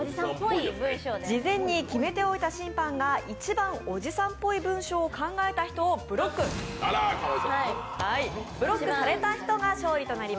事前に決めておいた審判が一番おじさんっぽい文章を考えた人をブロック私の肌は欲張り。